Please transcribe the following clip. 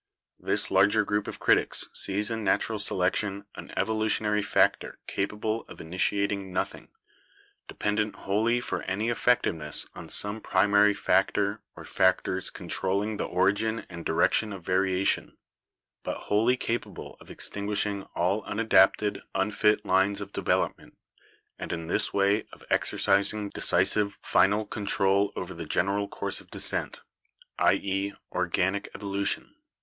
This larger group of critics sees in natural selection an evolutionary factor capable of initiating nothing, depend ent wholly for any effectiveness on some primary factor or factors controlling the origin and direction of varia tion, but wholly capable of extinguishing all unadapted, unfit lines of development, and in this way of exercising decisive final control over the general course of descent — i.e., organic evolution.